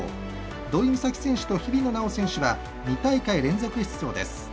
土居美咲選手と日比野菜緒選手は２大会連続出場です。